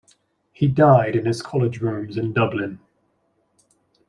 He died in his College rooms in Dublin.